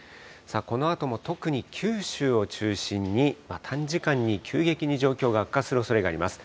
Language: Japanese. このあとも特に九州を中心に、短時間に急激に状況が悪化するおそれがあります。